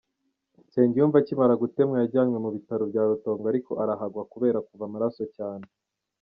Nsengiyumva akimara gutemwa yajyanywe ku bitaro bya Rutongo, ariko arahagwa kubera kuva amaraso cyane.